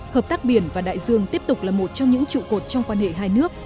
hợp tác biển và đại dương tiếp tục là một trong những trụ cột trong quan hệ hai nước